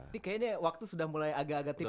ini kayaknya waktu sudah mulai agak agak tipis